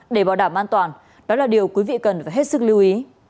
để bảo đảm an toàn đó là điều quý vị cần phải hết sức lưu ý